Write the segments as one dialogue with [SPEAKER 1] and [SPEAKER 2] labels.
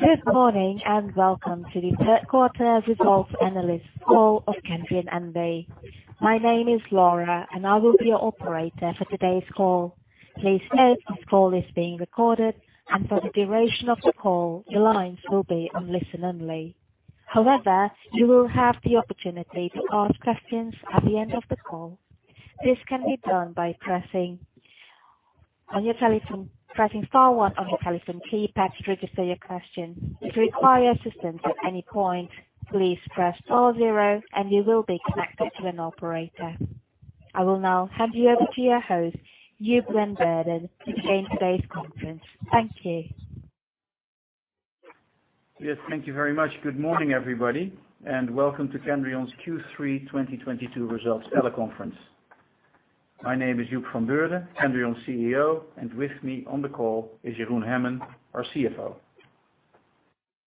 [SPEAKER 1] Good morning, and welcome to the third quarter results analyst call of Kendrion N.V. My name is Laura, and I will be your operator for today's call. Please note, this call is being recorded, and for the duration of the call, your lines will be on listen only. You will have the opportunity to ask questions at the end of the call. This can be done by pressing star one on your telephone keypad to register your question. If you require assistance at any point, please press four zero and you will be connected to an operator. I will now hand you over to your host, Joep van Beurden, to begin today's conference. Thank you.
[SPEAKER 2] Yes, thank you very much. Good morning, everybody, and welcome to Kendrion's Q3 2022 results teleconference. My name is Joep van Beurden, Kendrion's CEO, and with me on the call is Jeroen Hemmen, our CFO.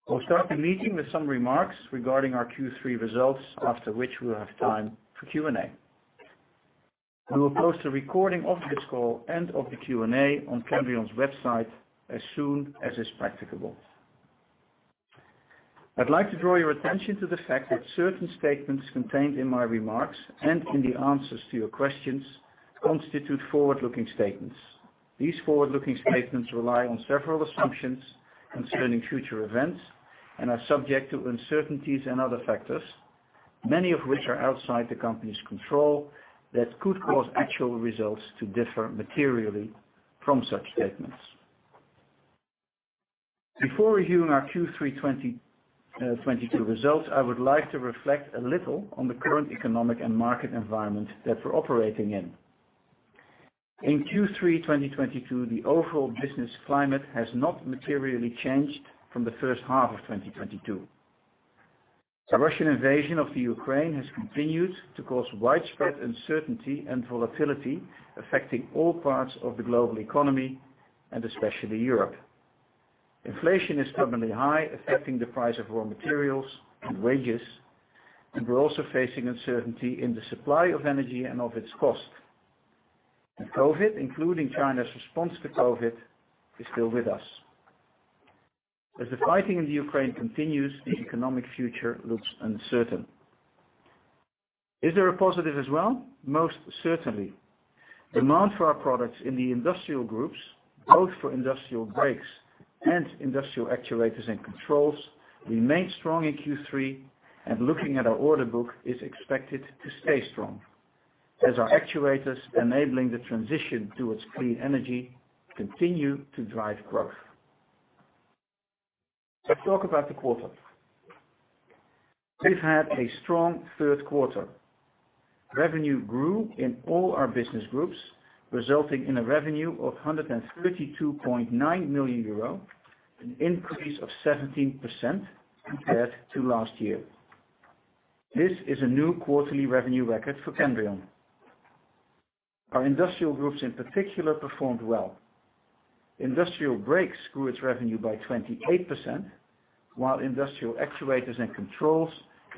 [SPEAKER 2] We will start the meeting with some remarks regarding our Q3 results, after which we will have time for Q&A. We will post a recording of this call and of the Q&A on Kendrion's website as soon as is practicable. I would like to draw your attention to the fact that certain statements contained in my remarks and in the answers to your questions constitute forward-looking statements. These forward-looking statements rely on several assumptions concerning future events and are subject to uncertainties and other factors, many of which are outside the company's control, that could cause actual results to differ materially from such statements. Before reviewing our Q3 2022 results, I would like to reflect a little on the current economic and market environment that we are operating in. In Q3 2022, the overall business climate has not materially changed from the first half of 2022. The Russian invasion of Ukraine has continued to cause widespread uncertainty and volatility, affecting all parts of the global economy, and especially Europe. Inflation is permanently high, affecting the price of raw materials and wages, and we are also facing uncertainty in the supply of energy and of its cost. COVID, including China's response to COVID, is still with us. As the fighting in Ukraine continues, the economic future looks uncertain. Is there a positive as well? Most certainly. Demand for our products in the industrial groups, both for Industrial Brakes and Industrial Actuators and Controls, remained strong in Q3, and looking at our order book, is expected to stay strong, as our actuators enabling the transition towards clean energy continue to drive growth. Let's talk about the quarter. We have had a strong third quarter. Revenue grew in all our business groups, resulting in a revenue of 132.9 million euro, an increase of 17% compared to last year. This is a new quarterly revenue record for Kendrion. Our industrial groups in particular performed well. Industrial Brakes grew its revenue by 28%, while Industrial Actuators and Controls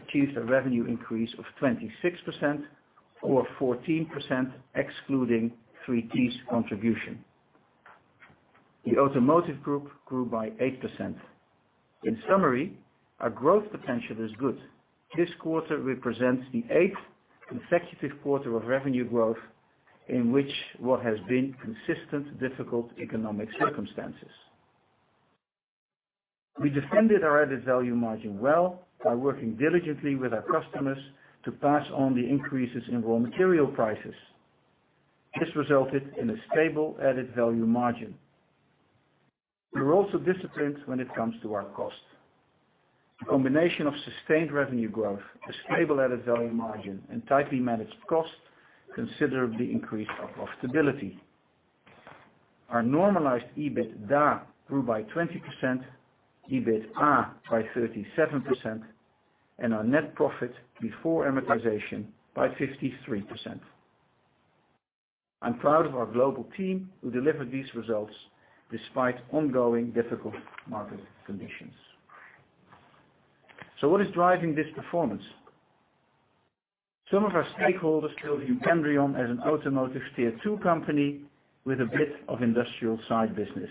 [SPEAKER 2] achieved a revenue increase of 26%, or 14% excluding 3T's contribution. The automotive group grew by 8%. In summary, our growth potential is good. This quarter represents the eighth consecutive quarter of revenue growth in what has been consistent, difficult economic circumstances. We defended our added value margin well by working diligently with our customers to pass on the increases in raw material prices. This resulted in a stable added value margin. We are also disciplined when it comes to our cost. A combination of sustained revenue growth, a stable added value margin, and tightly managed costs considerably increased our profitability. Our normalized EBITDA grew by 20%, EBITDA by 37%, and our net profit before amortization by 53%. I am proud of our global team who delivered these results despite ongoing difficult market conditions. What is driving this performance? Some of our stakeholders view Kendrion as an automotive tier 2 company with a bit of industrial side business.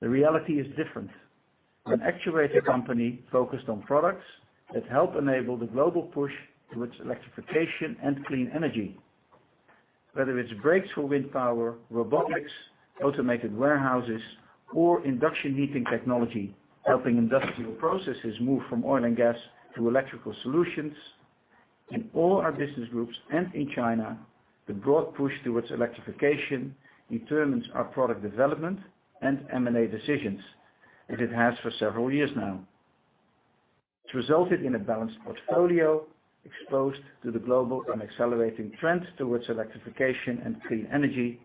[SPEAKER 2] The reality is different. We are an actuator company focused on products that help enable the global push towards electrification and clean energy. Whether it is brakes for wind power, robotics, automated guided vehicles, or induction heating technology, helping industrial processes move from oil and gas to electrical solutions. In all our business groups and in China, the broad push towards electrification determines our product development and M&A decisions, as it has for several years now. It has resulted in a balanced portfolio exposed to the global and accelerating trends towards electrification and clean energy,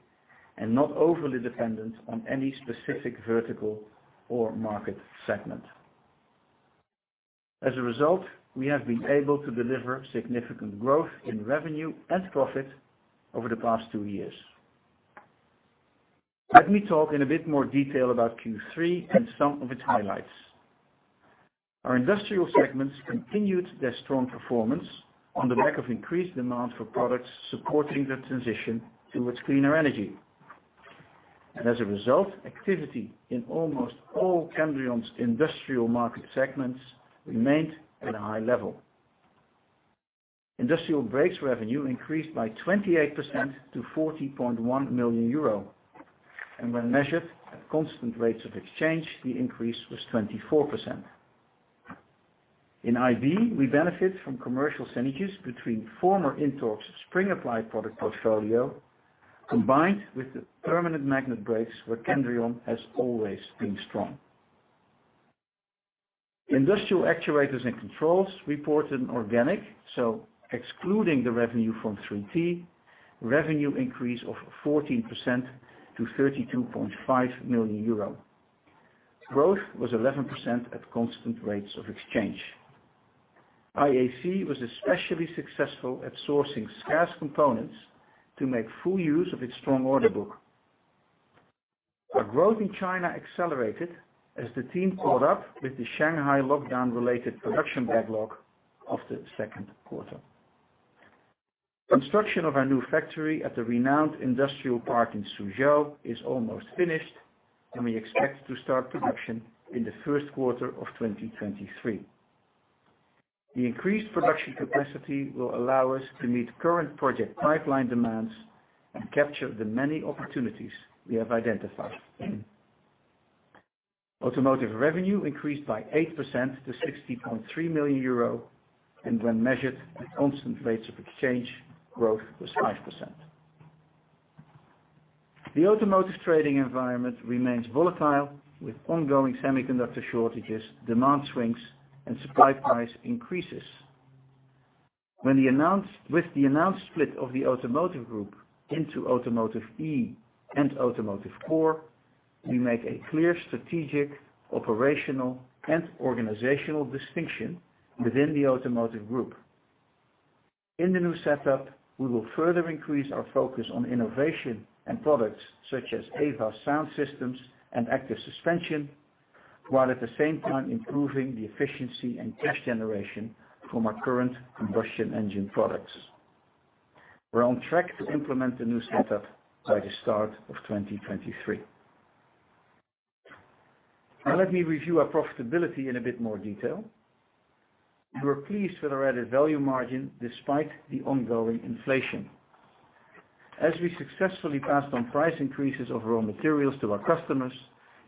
[SPEAKER 2] and not overly dependent on any specific vertical or market segment. As a result, we have been able to deliver significant growth in revenue and profit over the past two years. Let me talk in a bit more detail about Q3 and some of its highlights. Our industrial segments continued their strong performance on the back of increased demand for products supporting the transition towards cleaner energy. As a result, activity in almost all Kendrion's industrial market segments remained at a high level. Industrial Brakes revenue increased by 28% to 40.1 million euro. When measured at constant rates of exchange, the increase was 24%. In IB, we benefit from commercial synergies between former Intorq's spring-applied product portfolio, combined with the permanent magnet brakes, where Kendrion has always been strong. Industrial Actuators and Controls reported an organic, so excluding the revenue from 3T, revenue increase of 14% to 32.5 million euro. Growth was 11% at constant rates of exchange. IAC was especially successful at sourcing scarce components to make full use of its strong order book. Our growth in China accelerated as the team caught up with the Shanghai lockdown related production backlog of the second quarter. Construction of our new factory at the renowned industrial park in Suzhou is almost finished, and we expect to start production in the first quarter of 2023. The increased production capacity will allow us to meet current project pipeline demands and capture the many opportunities we have identified. Automotive revenue increased by 8% to 60.3 million euro, and when measured at constant rates of exchange, growth was 5%. The automotive trading environment remains volatile, with ongoing semiconductor shortages, demand swings, and supply price increases. With the announced split of the automotive group into Automotive E and Automotive Core, we make a clear strategic, operational, and organizational distinction within the automotive group. In the new setup, we will further increase our focus on innovation and products such as AVAS sound systems and active suspension, while at the same time improving the efficiency and cash generation from our current combustion engine products. We're on track to implement the new setup by the start of 2023. Let me review our profitability in a bit more detail. We were pleased with our added value margin despite the ongoing inflation. We successfully passed on price increases of raw materials to our customers,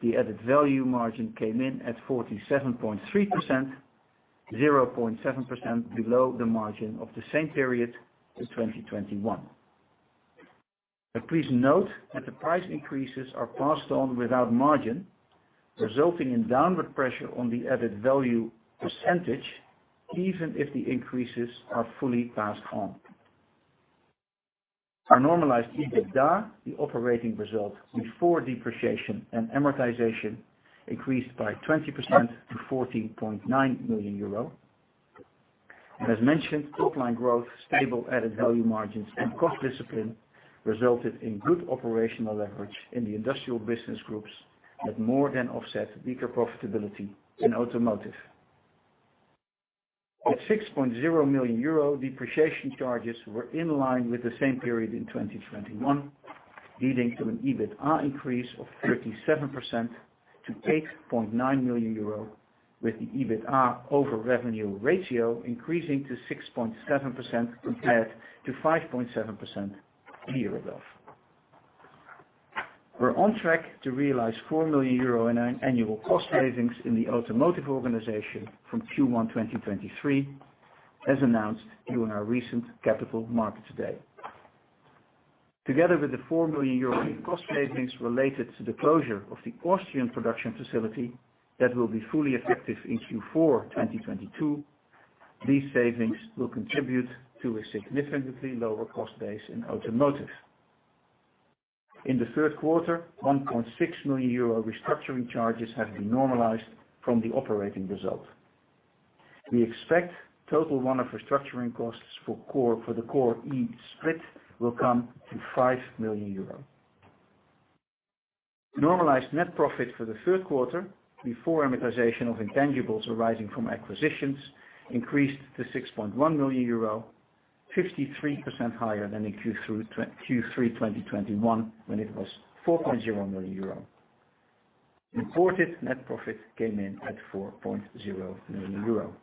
[SPEAKER 2] the added value margin came in at 47.3%, 0.7% below the margin of the same period in 2021. Please note that the price increases are passed on without margin, resulting in downward pressure on the added value percentage, even if the increases are fully passed on. Our normalized EBITDA, the operating result before depreciation and amortization, increased by 20% to 14.9 million euro. As mentioned, top-line growth, stable added value margins, and cost discipline resulted in good operational leverage in the industrial business groups that more than offset weaker profitability in Automotive. At 6.0 million euro, depreciation charges were in line with the same period in 2021, leading to an EBITDA increase of 37% to 8.9 million euro, with the EBITDA over revenue ratio increasing to 6.7% compared to 5.7% the year above. We're on track to realize 4 million euro in annual cost savings in the Automotive organization from Q1 2023, as announced during our recent Capital Markets Day. Together with the 4 million euro in cost savings related to the closure of the Austrian production facility that will be fully effective in Q4 2022, these savings will contribute to a significantly lower cost base in Automotive. In the third quarter, 1.6 million euro restructuring charges have been normalized from the operating result. We expect total one-off restructuring costs for the Core-E split will come to 5 million euros. Normalized net profit for the third quarter, before amortization of intangibles arising from acquisitions, increased to 6.1 million euro, 53% higher than in Q3 2021, when it was 4.0 million euro. Reported net profit came in at 4.0 million euro.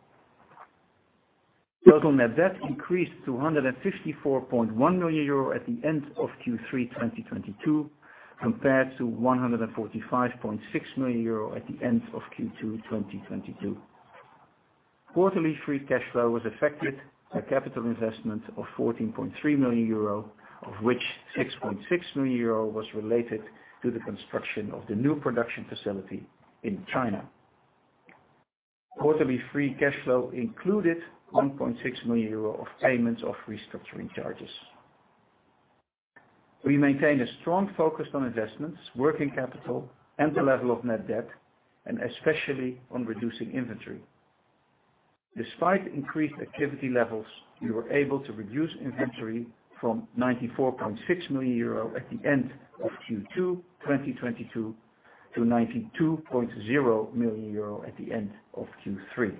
[SPEAKER 2] Total net debt increased to 154.1 million euro at the end of Q3 2022, compared to 145.6 million euro at the end of Q2 2022. Quarterly free cash flow was affected by capital investment of 14.3 million euro, of which 6.6 million euro was related to the construction of the new production facility in China. Quarterly free cash flow included 1.6 million euro of payments of restructuring charges. We maintain a strong focus on investments, working capital, and the level of net debt, and especially on reducing inventory. Despite increased activity levels, we were able to reduce inventory from 94.6 million euro at the end of Q2 2022 to 92.0 million euro at the end of Q3.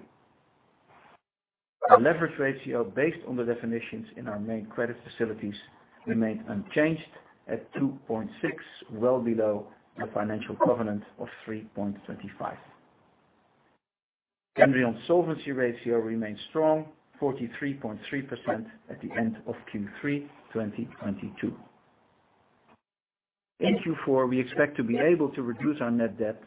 [SPEAKER 2] Our leverage ratio, based on the definitions in our main credit facilities, remained unchanged at 2.6, well below the financial covenant of 3.25. Kendrion solvency ratio remains strong, 43.3% at the end of Q3 2022. Q4, we expect to be able to reduce our net debt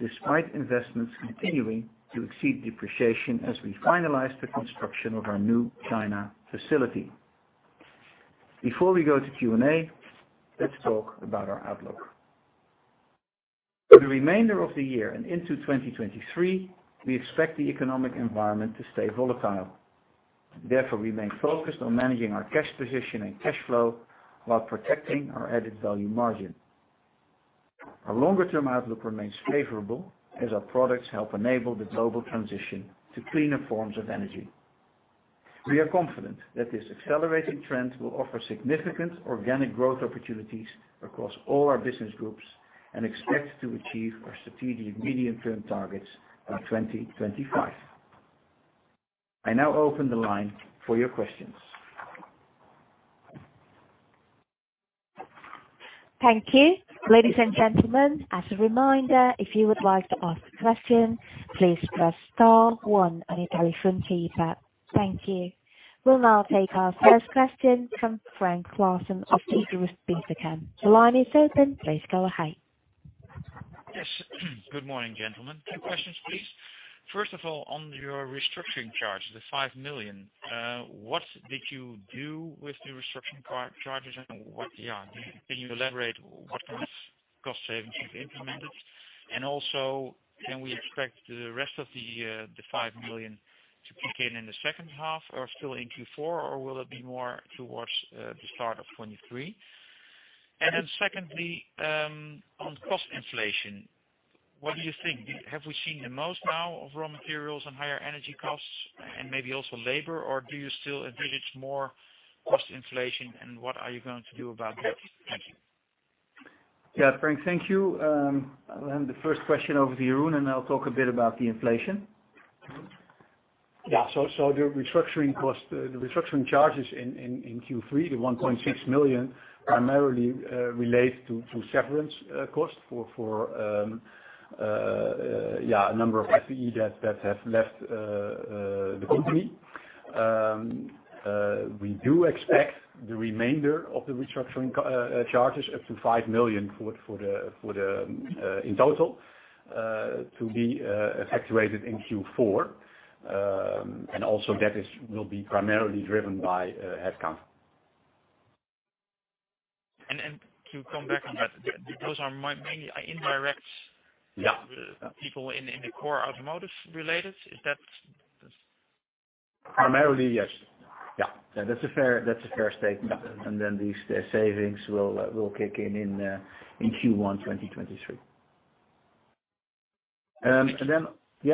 [SPEAKER 2] despite investments continuing to exceed depreciation as we finalize the construction of our new China facility. Before we go to Q&A, let's talk about our outlook. For the remainder of the year and into 2023, we expect the economic environment to stay volatile. We remain focused on managing our cash position and cash flow while protecting our added value margin. Our longer-term outlook remains favorable as our products help enable the global transition to cleaner forms of energy. We are confident that this accelerating trend will offer significant organic growth opportunities across all our business groups and expect to achieve our strategic medium-term targets by 2025. I now open the line for your questions.
[SPEAKER 1] Thank you. Ladies and gentlemen, as a reminder, if you would like to ask a question, please press star one on your telephone keypad. Thank you. We will now take our first question from Frank Claassen of Degroof Petercam. The line is open. Please go ahead.
[SPEAKER 3] Yes. Good morning, gentlemen. Two questions, please. First of all, on your restructuring charge, the 5 million, what did you do with the restructuring charges and can you elaborate what cost savings you have implemented? Also, can we expect the rest of the 5 million to kick in in the second half or still in Q4, or will it be more towards the start of 2023? Then secondly, on cost inflation, what do you think? Have we seen the most now of raw materials and higher energy costs and maybe also labor, or do you still envisage more cost inflation, and what are you going to do about that? Thank you.
[SPEAKER 2] Yeah, Frank, thank you. I will hand the first question over to Jeroen, and I will talk a bit about the inflation.
[SPEAKER 4] Yeah. The restructuring charges in Q3, the 1.6 million, primarily relate to severance costs for a number of FTE that have left the company. We do expect the remainder of the restructuring charges, up to 5 million in total, to be actuated in Q4. Also that will be primarily driven by headcount.
[SPEAKER 3] To come back on that, those are mainly indirect-
[SPEAKER 4] Yeah
[SPEAKER 3] people in the Core Automotive related? Is that-
[SPEAKER 4] Primarily, yes. Yeah. That's a fair statement.
[SPEAKER 2] Yeah. These savings will kick in in Q1 2023.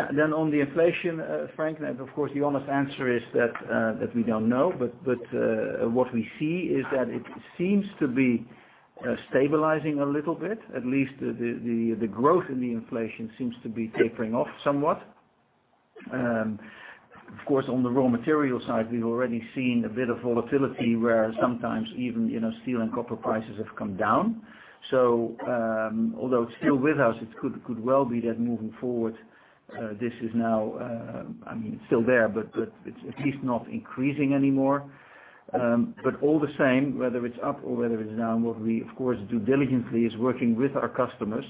[SPEAKER 2] On the inflation, Frank, the honest answer is that we don't know. What we see is that it seems to be stabilizing a little bit. At least the growth in the inflation seems to be tapering off somewhat. On the raw material side, we've already seen a bit of volatility where sometimes even steel and copper prices have come down. Although it's still with us, it could well be that moving forward, this is now, I mean, it's still there, but it's at least not increasing anymore. All the same, whether it's up or whether it's down, what we do diligently is working with our customers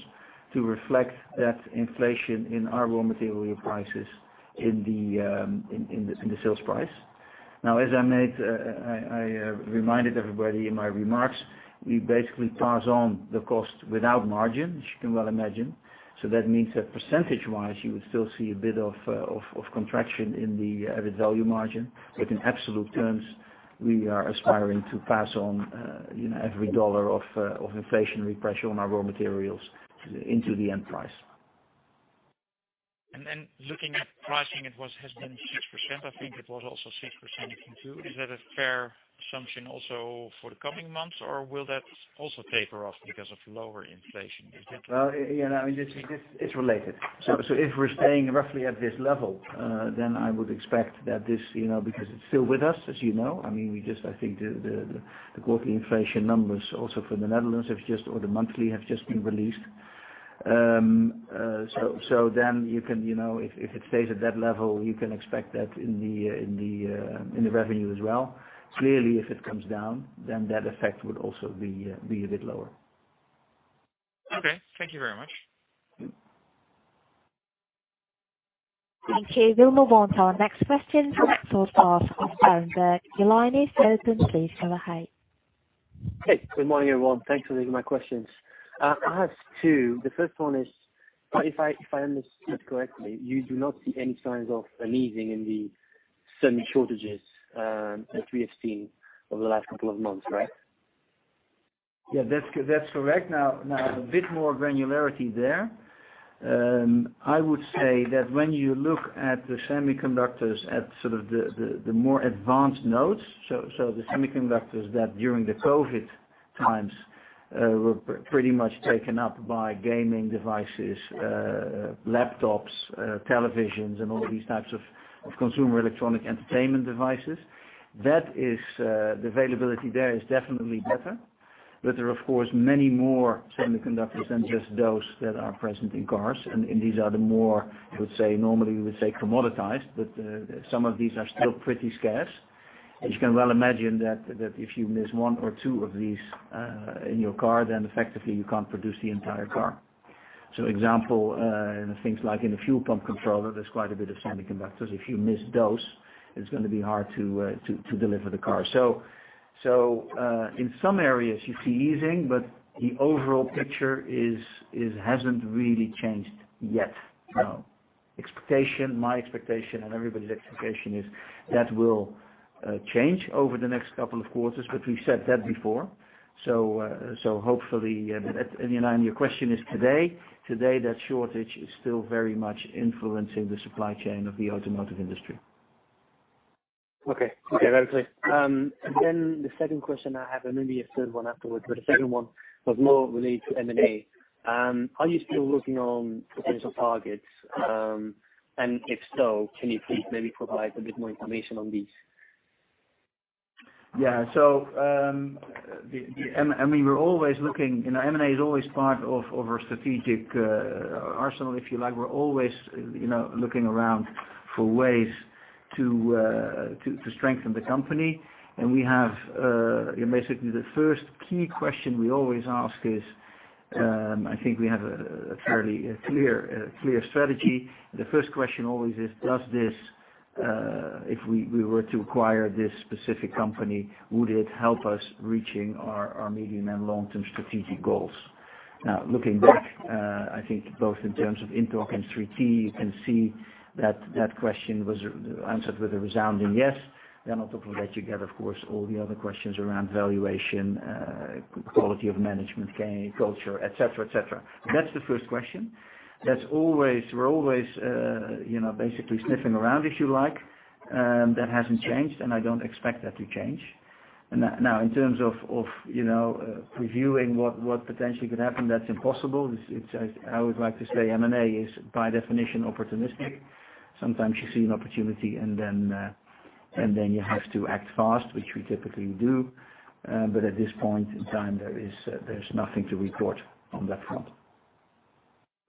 [SPEAKER 2] to reflect that inflation in our raw material prices in the sales price. As I reminded everybody in my remarks, we basically pass on the cost without margin, as you can well imagine. That means that percentage-wise, you would still see a bit of contraction in the added value margin. In absolute terms, we are aspiring to pass on every dollar of inflation repression on our raw materials into the end price.
[SPEAKER 3] Looking at pricing, it has been 6%. I think it was also 6% in Q2. Is that a fair assumption also for the coming months, or will that also taper off because of lower inflation?
[SPEAKER 2] Well, yeah. I mean, it's related. If we're staying roughly at this level, then I would expect that this, because it's still with us, as you know. I think the quarterly inflation numbers also for the Netherlands or the monthly, have just been released. If it stays at that level, you can expect that in the revenue as well. Clearly, if it comes down, then that effect would also be a bit lower.
[SPEAKER 3] Okay. Thank you very much.
[SPEAKER 1] Thank you. We will move on to our next question from Torsten of Berenberg. Your line is open. Please go ahead.
[SPEAKER 5] Hey. Good morning, everyone. Thanks for taking my questions. I have two. The first one is, if I understood correctly, you do not see any signs of an easing in the certain shortages that we have seen over the last couple of months, right?
[SPEAKER 2] Yeah, that is correct. Now, a bit more granularity there. I would say that when you look at the semiconductors at the more advanced nodes, the semiconductors that during the COVID times were pretty much taken up by gaming devices, laptops, televisions, and all these types of consumer electronic entertainment devices, the availability there is definitely better. There are, of course, many more semiconductors than just those that are present in cars. These are the more, normally we would say, commoditized, but some of these are still pretty scarce. You can well imagine that if you miss one or two of these in your car, then effectively you cannot produce the entire car. Example, in things like in a fuel pump controller, there is quite a bit of semiconductors. If you miss those, it is going to be hard to deliver the car. In some areas you see easing, but the overall picture hasn't really changed yet. No. My expectation, and everybody's expectation is that will change over the next couple of quarters, but we've said that before. Hopefully, and your question is today that shortage is still very much influencing the supply chain of the automotive industry.
[SPEAKER 5] Okay. That's clear. The second question I have, and maybe a third one afterwards, but the second one was more related to M&A. Are you still working on potential targets? If so, can you please maybe provide a bit more information on these?
[SPEAKER 2] Yeah. M&A is always part of our strategic arsenal, if you like. We're always looking around for ways to strengthen the company. Basically, the first key question we always ask is, I think we have a fairly clear strategy. The first question always is, does this, if we were to acquire this specific company, would it help us reaching our medium and long-term strategic goals? Looking back, I think both in terms of Intorq and 3T, you can see that that question was answered with a resounding yes. On top of that, you get, of course, all the other questions around valuation, quality of management, culture, et cetera. That's the first question. We're always basically sniffing around, if you like. That hasn't changed, and I don't expect that to change. In terms of previewing what potentially could happen, that's impossible. I would like to say M&A is by definition opportunistic. Sometimes you see an opportunity and then you have to act fast, which we typically do. At this point in time, there's nothing to report on that front.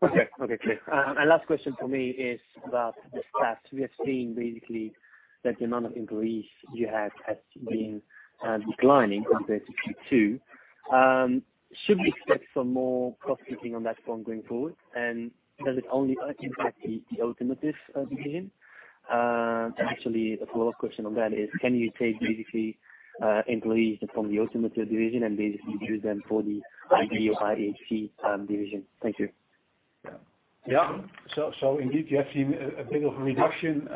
[SPEAKER 5] Okay, clear. Last question from me is about the staff. We have seen basically that the amount of employees you have has been declining compared to Q2. Should we expect some more cost cutting on that front going forward? Does it only impact the Automotive division? Actually, a follow-up question on that is, can you take basically employees from the Automotive division and basically use them for the IB or IAC division? Thank you.
[SPEAKER 4] Yeah. Indeed, you have seen a bit of a reduction.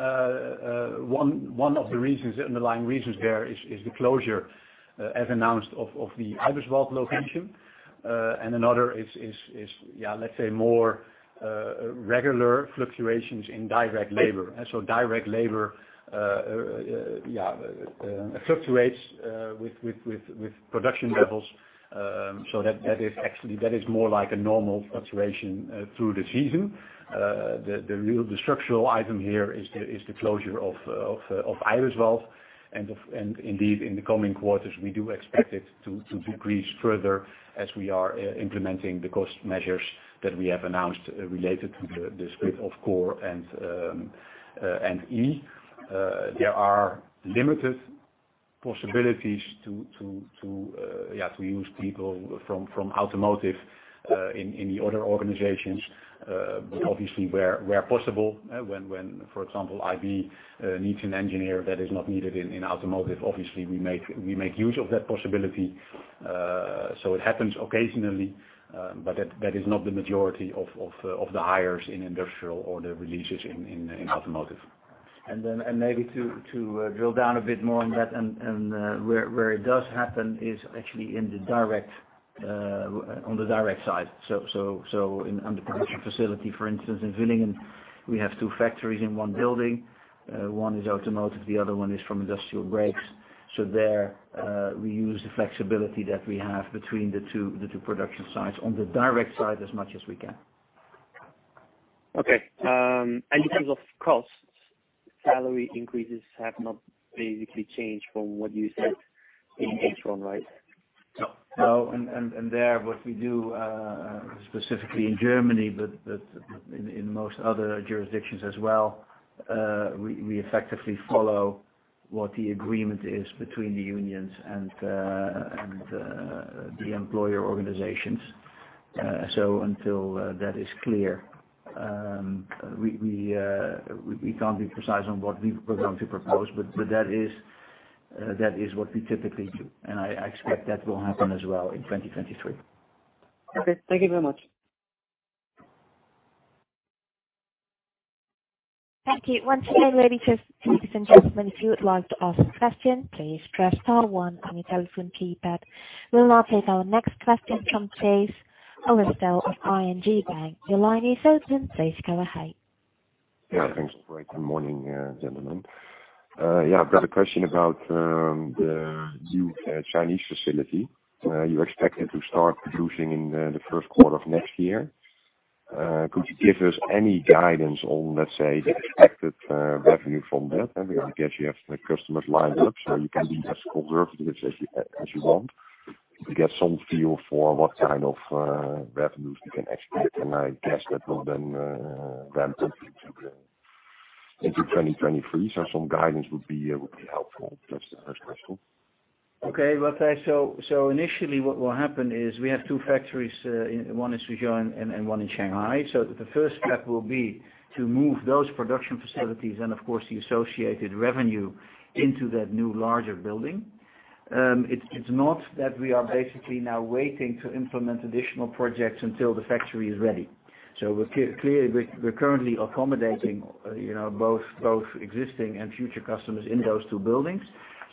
[SPEAKER 4] One of the underlying reasons there is the closure, as announced, of the Eibiswald location. Another is, let's say, more regular fluctuations in direct labor. Direct labor fluctuates with production levels. That is more like a normal fluctuation through the season. The structural item here is the closure of Eibiswald, and indeed, in the coming quarters, we do expect it to decrease further as we are implementing the cost measures that we have announced related to the split of Core and E. There are limited possibilities to use people from Automotive in the other organizations. Obviously, where possible, when, for example, IB needs an engineer that is not needed in Automotive, obviously, we make use of that possibility. It happens occasionally, that is not the majority of the hires in Industrial or the releases in Automotive.
[SPEAKER 2] Maybe to drill down a bit more on that, where it does happen is actually on the direct side. In the production facility, for instance, in Villingen, we have two factories in one building. One is Automotive, the other one is from Industrial Brakes. There we use the flexibility that we have between the two production sites on the direct side as much as we can.
[SPEAKER 5] Okay. In terms of costs, salary increases have not basically changed from what you said in Q1, right?
[SPEAKER 4] No.
[SPEAKER 2] No. There, what we do, specifically in Germany, but in most other jurisdictions as well, we effectively follow what the agreement is between the unions and the employer organizations. Until that is clear, we can't be precise on what we program to propose, but that is what we typically do, and I expect that will happen as well in 2023.
[SPEAKER 5] Okay. Thank you very much.
[SPEAKER 1] Thank you. Once again, ladies and gentlemen, if you would like to ask a question, please press star one on your telephone keypad. We'll now take our next question from Maarten Vleeschhouwer of ING Bank. Your line is open. Please go ahead.
[SPEAKER 6] Thanks. Great. Good morning, gentlemen. I've got a question about the new Chinese facility. You're expected to start producing in the first quarter of next year. Could you give us any guidance on, let's say, the expected revenue from that? I guess you have customers lined up, so you can be as conservative as you want to get some feel for what kind of revenues we can expect. I guess that will then ramp up into 2023. Some guidance would be helpful. That's the first question.
[SPEAKER 2] Initially what will happen is we have two factories, one in Suzhou and one in Shanghai. The first step will be to move those production facilities, and of course, the associated revenue into that new larger building. It's not that we are basically now waiting to implement additional projects until the factory is ready. Clearly, we're currently accommodating both existing and future customers in those two buildings.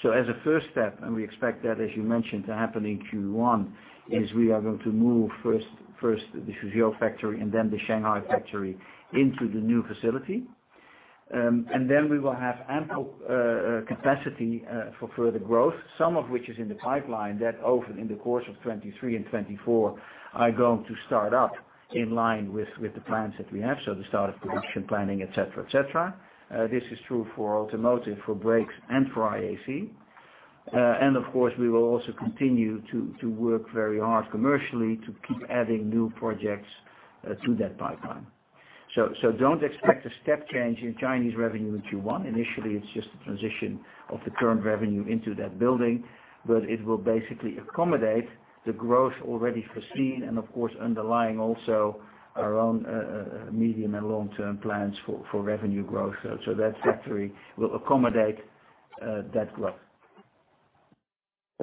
[SPEAKER 2] As a first step, and we expect that, as you mentioned, to happen in Q1, is we are going to move first the Suzhou factory and then the Shanghai factory into the new facility. Then we will have ample capacity for further growth, some of which is in the pipeline that over in the course of 2023 and 2024 are going to start up in line with the plans that we have. The start of production planning, et cetera. This is true for automotive, for Industrial Brakes and for IAC. Of course, we will also continue to work very hard commercially to keep adding new projects to that pipeline. Don't expect a step change in Chinese revenue in Q1. Initially, it's just a transition of the current revenue into that building, but it will basically accommodate the growth already foreseen and of course, underlying also our own medium and long-term plans for revenue growth. That factory will accommodate that growth.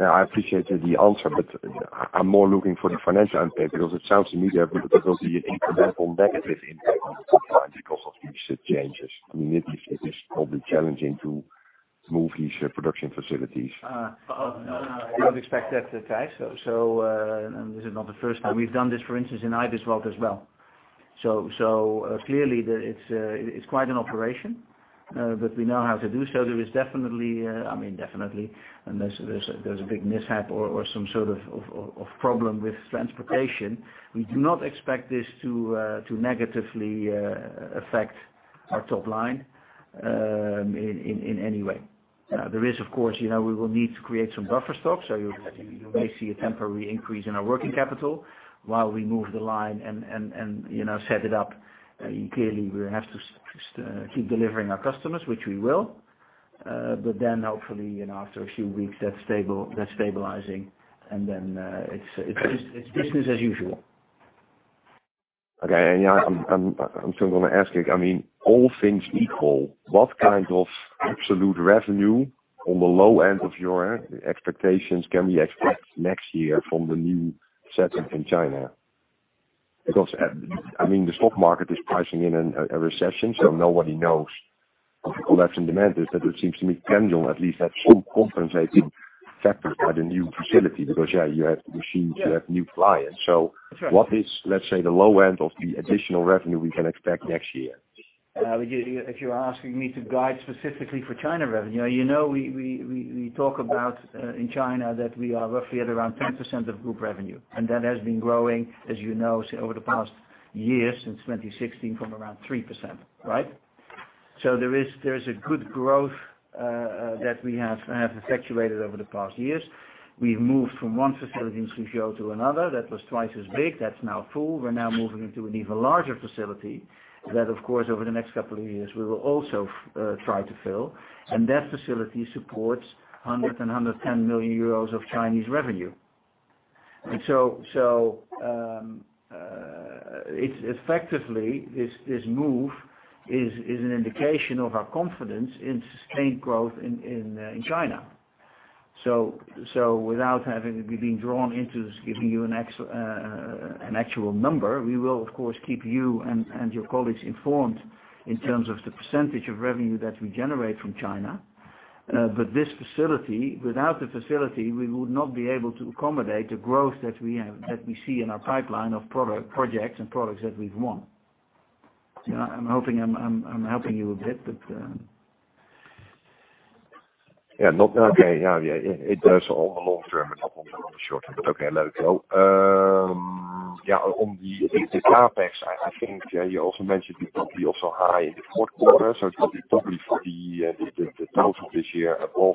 [SPEAKER 6] I appreciate the answer, but I'm more looking for the financial impact because it sounds to me that there will be an incremental negative impact on top line because of these changes. I mean, it is probably challenging to move these production facilities.
[SPEAKER 2] We don't expect that to tie. This is not the first time. We've done this, for instance, in Eibiswald as well. Clearly, it's quite an operation, but we know how to do so. There is definitely, unless there's a big mishap or some sort of problem with transportation, we do not expect this to negatively affect our top line in any way. There is, of course, we will need to create some buffer stock, so you may see a temporary increase in our working capital while we move the line and set it up. Clearly, we have to keep delivering our customers, which we will. Hopefully, after a few weeks that's stabilizing and then it's business as usual.
[SPEAKER 6] Okay. I'm still going to ask you, all things equal, what kind of absolute revenue on the low end of your expectations can we expect next year from the new setup in China? Because the stock market is pricing in a recession, nobody knows of the collapse in demand. It seems to me, Kendrion, at least have some compensating factors for the new facility because, yeah, you have machines, you have new clients.
[SPEAKER 2] That's right.
[SPEAKER 6] What is, let's say, the low end of the additional revenue we can expect next year?
[SPEAKER 2] If you're asking me to guide specifically for China revenue, you know we talk about in China that we are roughly at around 10% of group revenue, and that has been growing, as you know, over the past years since 2016 from around 3%. Right? There is a good growth that we have effectuated over the past years. We've moved from one facility in Suzhou to another that was twice as big. That's now full. We're now moving into an even larger facility that, of course, over the next couple of years, we will also try to fill. That facility supports 100 million-110 million euros of Chinese revenue. Effectively, this move is an indication of our confidence in sustained growth in China. Without having to be drawn into giving you an actual number, we will, of course, keep you and your colleagues informed in terms of the percentage of revenue that we generate from China. Without the facility, we would not be able to accommodate the growth that we see in our pipeline of projects and products that we've won. I'm hoping I'm helping you a bit.
[SPEAKER 6] Yeah, okay. It does on the long term, but not on the short term. But okay. On the CapEx, I think you also mentioned it will be also high in the fourth quarter. It will be probably for the total this year above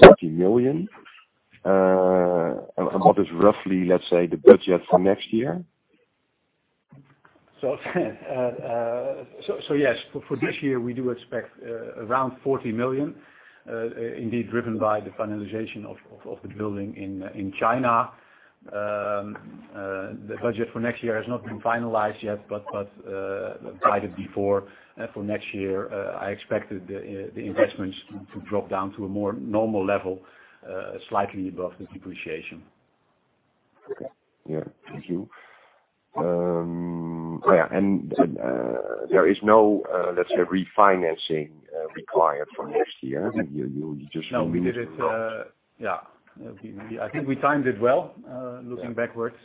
[SPEAKER 6] 40 million. What is roughly, let's say, the budget for next year?
[SPEAKER 4] Yes, for this year, we do expect around 40 million, indeed driven by the finalization of the building in China. The budget for next year has not been finalized yet, guided before for next year, I expect the investments to drop down to a more normal level, slightly above the depreciation.
[SPEAKER 6] Yeah. Thank you. There is no, let's say, refinancing required for next year.
[SPEAKER 4] No, we did it. I think we timed it well, looking backwards.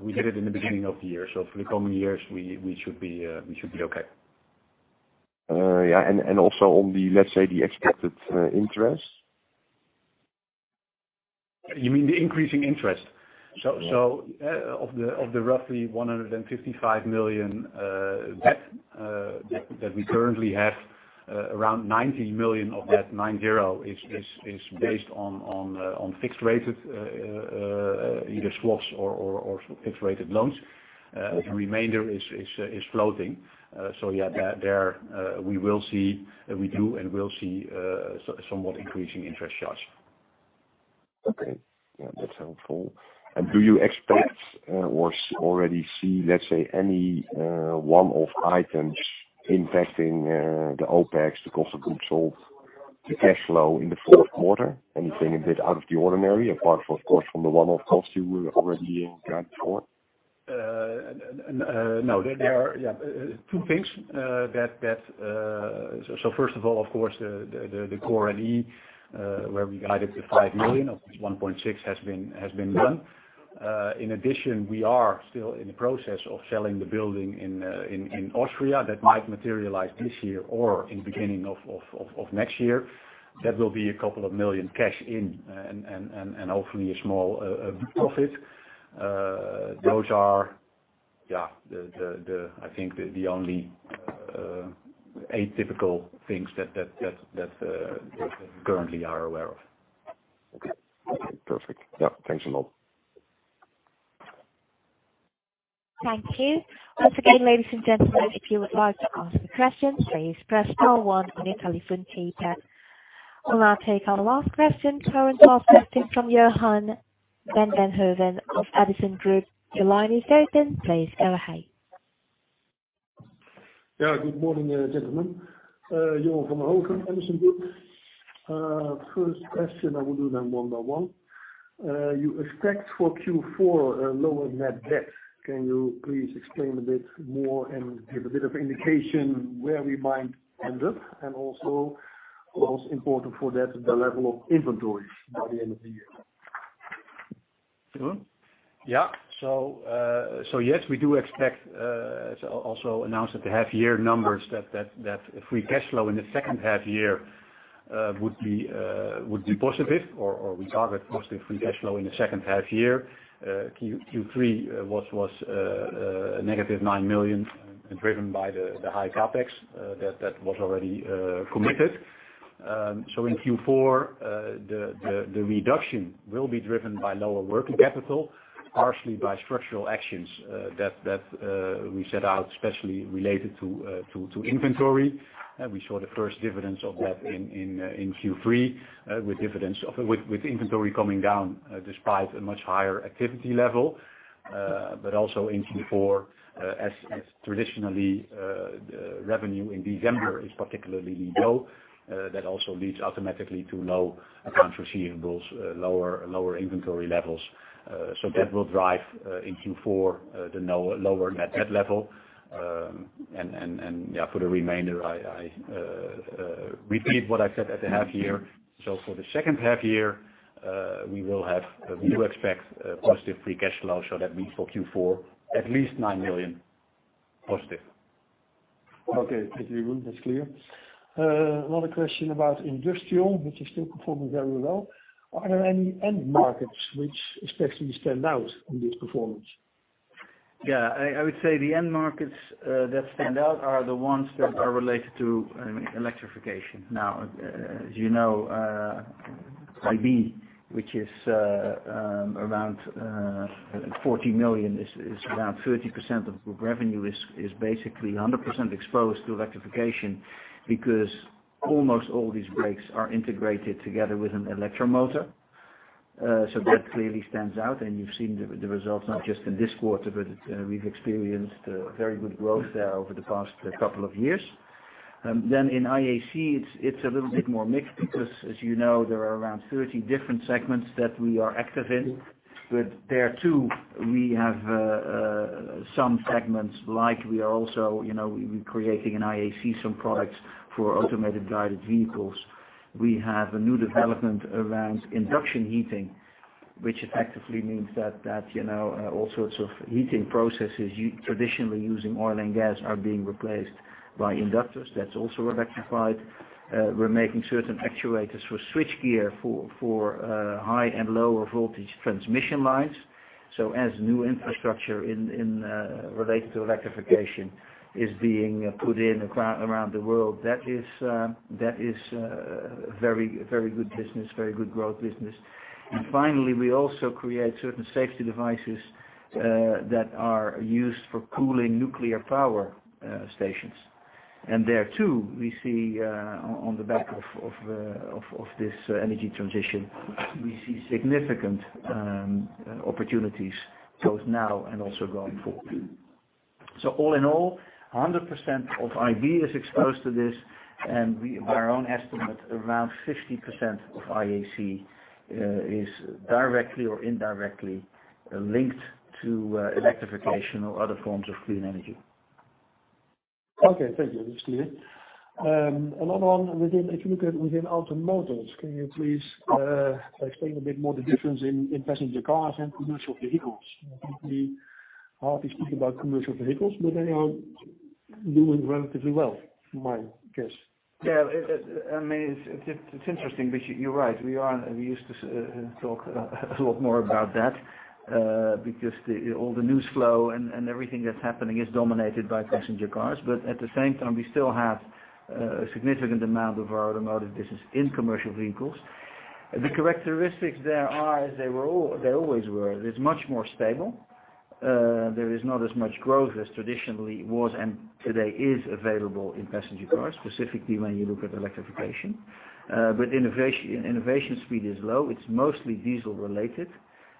[SPEAKER 4] We did it in the beginning of the year. For the coming years, we should be okay.
[SPEAKER 6] Also on the, let's say, the expected interest.
[SPEAKER 4] You mean the increasing interest?
[SPEAKER 6] Yeah.
[SPEAKER 4] Of the roughly 155 million debt that we currently have, around 90 million of that, nine zero, is based on fixed rates, either swaps or fixed-rated loans. The remainder is floating. Yeah, there we do and will see somewhat increasing interest charges.
[SPEAKER 6] Okay. Yeah, that's helpful. Do you expect or already see, let's say, any one-off items impacting the OPEX, the cost of goods sold, the cash flow in the fourth quarter? Anything a bit out of the ordinary, apart from, of course, from the one-off costs you already guided for?
[SPEAKER 4] No. There are two things. First of all, of course, the Core and E, where we guided the 5 million, of which 1.6 has been done. In addition, we are still in the process of selling the building in Austria. That might materialize this year or in the beginning of next year. That will be a couple of million cash in and hopefully a small profit. Those are, I think, the only atypical things that we currently are aware of.
[SPEAKER 6] Okay. Perfect. Thanks a lot.
[SPEAKER 1] Thank you. Once again, ladies and gentlemen, if you would like to ask a question, please press star one on your telephone keypad. We'll now take our last question. Our last question from Johan van den Hooven of Edison Group. Your line is open. Please go ahead.
[SPEAKER 7] Yeah, good morning, gentlemen. Johan van den Hooven, Edison Group. First question, I will do them one by one. You expect for Q4 a lower net debt. Can you please explain a bit more and give a bit of indication where we might end up? Also, what's important for that, the level of inventories by the end of the year.
[SPEAKER 2] Jeroen? Yeah. Yes, we do expect, as also announced at the half year numbers, that free cash flow in the second half year would be positive, or we target positive free cash flow in the second half year. Q3 was a negative 9 million, driven by the high CapEx that was already committed. In Q4, the reduction will be driven by lower working capital, partially by structural actions that we set out, especially related to inventory. We saw the first dividends of that in Q3, with inventory coming down despite a much higher activity level. Also in Q4, as traditionally, revenue in December is particularly low. That also leads automatically to low accounts receivables, lower inventory levels. That will drive in Q4 the lower net debt level. For the remainder, I repeat what I said at the half year.
[SPEAKER 4] For the second half year, we do expect a positive free cash flow. That means for Q4, at least 9 million positive.
[SPEAKER 7] Okay. Thank you, Jeroen. That is clear. Another question about Industrial, which is still performing very well. Are there any end markets which especially stand out in this performance?
[SPEAKER 2] I would say the end markets that stand out are the ones that are related to electrification. As you know, IB, which is around 40 million, is around 30% of group revenue, is basically 100% exposed to electrification because almost all these brakes are integrated together with an electromotor. That clearly stands out, and you have seen the results not just in this quarter, but we have experienced very good growth there over the past couple of years. In IAC, it is a little bit more mixed because, as you know, there are around 30 different segments that we are active in. There, too, we have some segments, like we are also creating in IAC some products for automated guided vehicles. We have a new development around induction heating, which effectively means that all sorts of heating processes traditionally using oil and gas are being replaced by inductors. That is also electrified. We are making certain actuators for switch gear for high and lower voltage transmission lines. As new infrastructure related to electrification is being put in around the world, that is a very good business, very good growth business. Finally, we also create certain safety devices that are used for cooling nuclear power stations. There, too, we see on the back of this energy transition, we see significant opportunities both now and also going forward. All in all, 100% of IB is exposed to this, and our own estimate, around 50% of IAC is directly or indirectly linked to electrification or other forms of clean energy.
[SPEAKER 7] Okay. Thank you. That's clear. Another one, if you look at within Automotive, can you please explain a bit more the difference in passenger cars and commercial vehicles? They are doing relatively well, from my guess.
[SPEAKER 2] Yeah. It's interesting, you're right, we used to talk a lot more about that, because all the news flow and everything that's happening is dominated by passenger cars. At the same time, we still have a significant amount of our Automotive business in commercial vehicles. The characteristics there are, as they always were, it is much more stable. There is not as much growth as traditionally was, and today is available in passenger cars, specifically when you look at electrification. Innovation speed is low. It's mostly diesel related.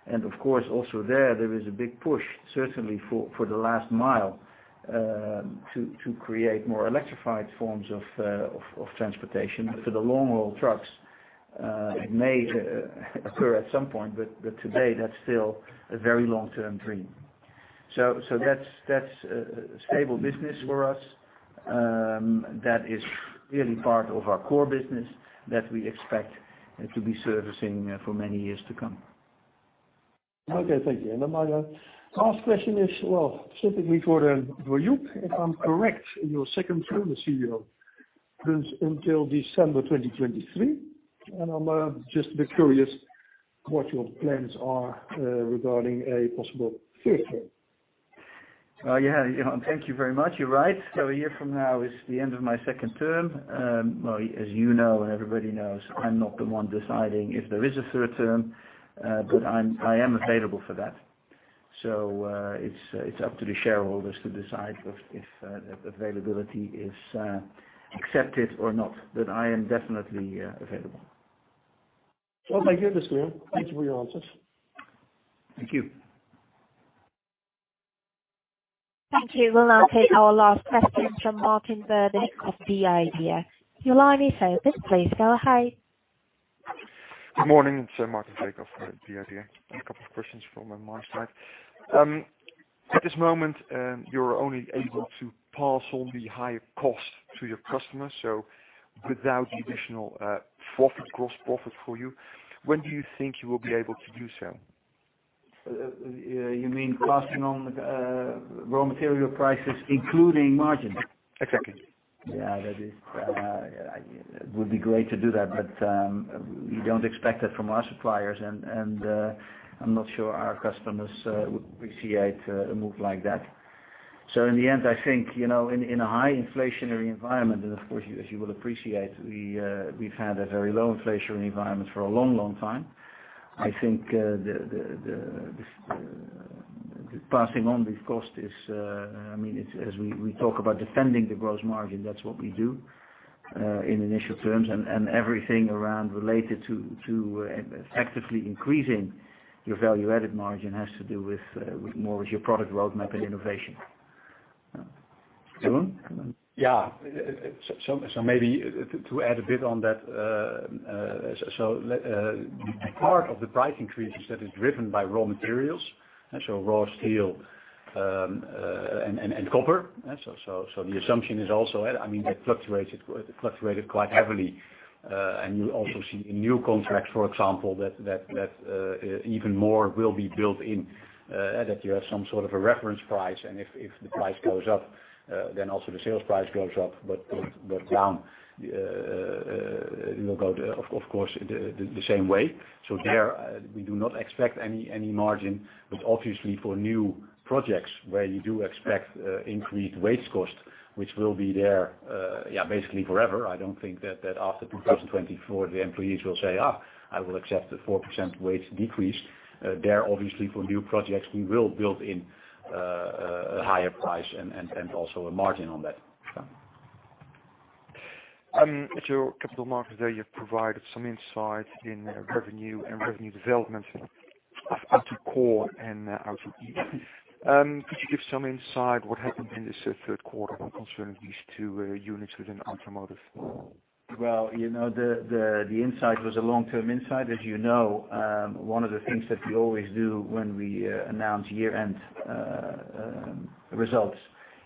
[SPEAKER 2] Of course, also there is a big push, certainly for the last mile, to create more electrified forms of transportation. For the long haul trucks, it may occur at some point, today that's still a very long-term dream. That's a stable business for us. That is really part of our core business that we expect to be servicing for many years to come.
[SPEAKER 7] Okay, thank you. My last question is, specifically for you. If I'm correct, your second term as CEO runs until December 2023, I'm just a bit curious what your plans are regarding a possible third term.
[SPEAKER 2] Thank you very much. You're right. A year from now is the end of my second term. As you know and everybody knows, I'm not the one deciding if there is a third term, but I am available for that. It's up to the shareholders to decide if availability is accepted or not, but I am definitely available.
[SPEAKER 7] Thank you, Joep van den. Thank you for your answers.
[SPEAKER 2] Thank you.
[SPEAKER 1] Thank you. We'll now take our last question from Martin Vercammen of Kempen. Your line is open. Please go ahead.
[SPEAKER 8] Good morning. It's Martin Vercammen of Kempen. A couple of questions from my side. At this moment, you're only able to pass on the higher cost to your customers, so without additional gross profit for you. When do you think you will be able to do so?
[SPEAKER 2] You mean passing on raw material prices, including margin?
[SPEAKER 8] Exactly.
[SPEAKER 2] It would be great to do that, we don't expect that from our suppliers, and I'm not sure our customers would appreciate a move like that. In the end, I think, in a high inflationary environment, and of course, as you will appreciate, we've had a very low inflationary environment for a long, long time. I think passing on these costs, as we talk about defending the gross margin, that's what we do in initial terms and everything around related to actively increasing your value-added margin has to do more with your product roadmap and innovation. Jeroen?
[SPEAKER 4] Maybe to add a bit on that. Part of the price increases that is driven by raw materials, raw steel and copper. The assumption is also that fluctuated quite heavily, and you also see in new contracts, for example, that even more will be built in, that you have some sort of a reference price, and if the price goes up, then also the sales price goes up. Down, it will go, of course, the same way. There, we do not expect any margin, but obviously for new projects, where you do expect increased wage cost, which will be there basically forever. I don't think that after 2024, the employees will say, "Ah, I will accept a 4% wage decrease." There, obviously, for new projects, we will build in a higher price and also a margin on that.
[SPEAKER 8] At your Capital Markets Day, you provided some insight in revenue and revenue development of AutoCore and AutoE. Could you give some insight what happened in this third quarter concerning these two units within Automotive?
[SPEAKER 2] Well, the insight was a long-term insight. As you know, one of the things that we always do when we announce year-end results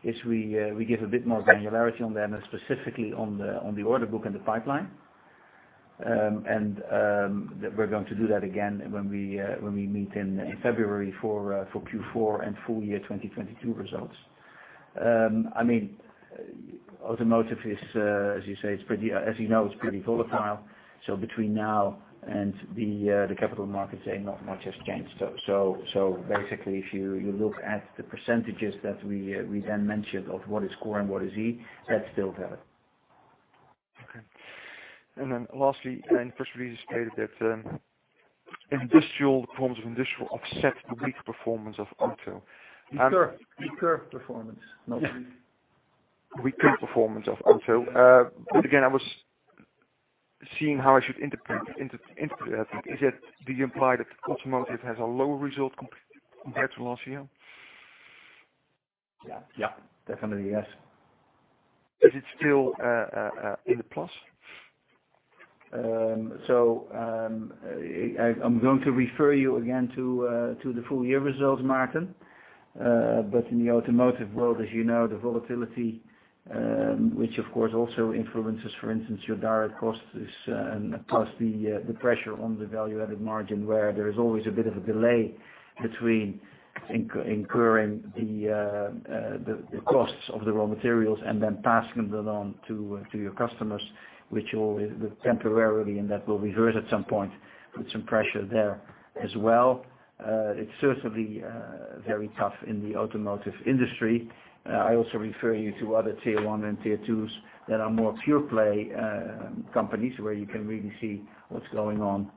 [SPEAKER 2] is we give a bit more granularity on them, and specifically on the order book and the pipeline. We're going to do that again when we meet in February for Q4 and full year 2022 results. Automotive, as you know, it's pretty volatile. Between now and the Capital Markets Day, not much has changed. Basically, if you look at the percentages that we then mentioned of what is Core and what is E, that's still valid.
[SPEAKER 8] Okay. Lastly, and press release stated that forms of industrial offset the weak performance of Auto.
[SPEAKER 2] Weaker performance, not weak.
[SPEAKER 8] Weak performance of Auto. Again, seeing how I should interpret that, do you imply that automotive has a lower result compared to last year?
[SPEAKER 2] Yeah. Definitely, yes.
[SPEAKER 8] Is it still in the plus?
[SPEAKER 2] I'm going to refer you again to the full year results, Martin. In the automotive world, as you know, the volatility which of course also influences, for instance, your direct costs plus the pressure on the added value margin, where there's always a bit of a delay between incurring the costs of the raw materials and then passing them along to your customers, which will temporarily, and that will reverse at some point, put some pressure there as well. It's certainly very tough in the automotive industry. I also refer you to other Tier 1 and Tier 2s that are more pure play companies, where you can really see what's going on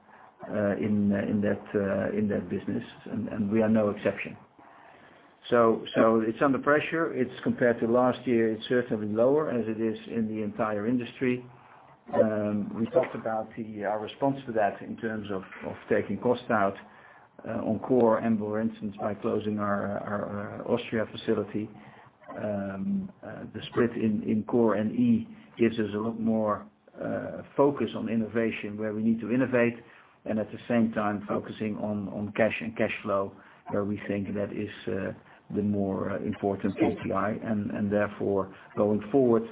[SPEAKER 2] in that business, and we are no exception. It's under pressure. Compared to last year, it's certainly lower as it is in the entire industry. We talked about our response to that in terms of taking cost out on Core and, for instance, by closing our Austria facility. The split in Core and E gives us a lot more focus on innovation, where we need to innovate and at the same time focusing on cash and cash flow, where we think that is the more important KPI. Therefore, going forward,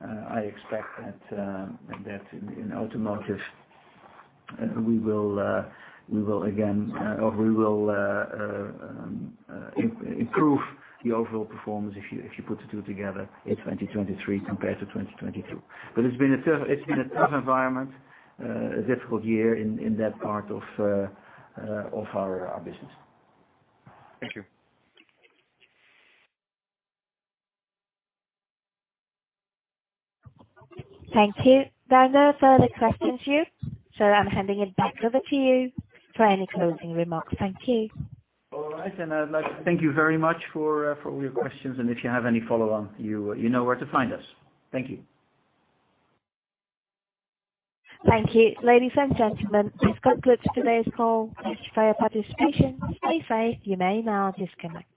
[SPEAKER 2] I expect that in automotive we will improve the overall performance if you put the two together in 2023 compared to 2022. It's been a tough environment, a difficult year in that part of our business.
[SPEAKER 8] Thank you.
[SPEAKER 1] Thank you. There are no further questions here, I'm handing it back over to you for any closing remarks. Thank you.
[SPEAKER 2] All right. I'd like to thank you very much for all your questions, and if you have any follow on, you know where to find us. Thank you.
[SPEAKER 1] Thank you. Ladies and gentlemen, this concludes today's call. Thank you for your participation. You may now disconnect.